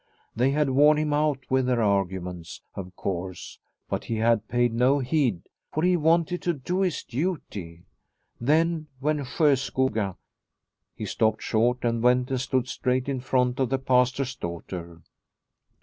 They had worn him out with their arguments, of course, but he had paid no heed, for he wanted to do his duty. Then when Sjoskoga He stopped short and went and stood straight in front of the Pastor's daughter.